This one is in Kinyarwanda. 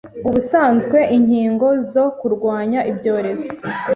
Ubusanzwe inkingo zo kurwanya ibyorezo